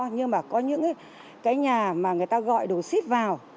nhưng mà có những cái nhà mà người ta gọi đồ ship vào